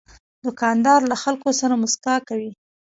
دوکاندار له خلکو سره مسکا کوي.